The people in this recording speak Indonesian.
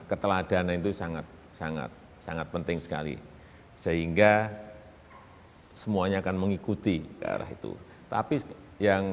keteladanan itu sangat sangat penting sekali sehingga semuanya akan mengikuti arah itu tapi yang